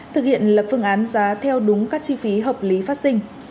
thực hiện lập phương án giá theo đúng các chi phí hợp lý phát sinh